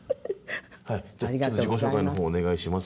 自己紹介のほうお願いします。